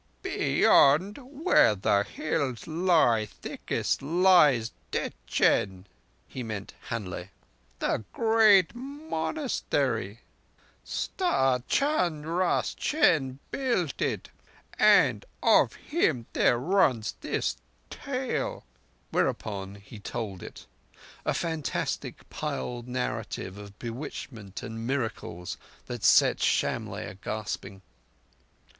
"Beyond, where the hills lie thickest, lies De ch'en" (he meant Han lé'), "the great Monastery. s'Tag stan ras ch'en built it, and of him there runs this tale." Whereupon he told it: a fantastic piled narrative of bewitchment and miracles that set Shamlegh a gasping.